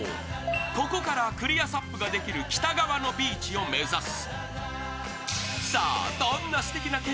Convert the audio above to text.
ここからクリアＳＵＰができる北側のビーチを目指す。